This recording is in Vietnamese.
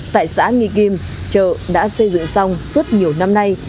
tại xã nghi kim chợ đã xây dựng xong suốt nhiều năm nay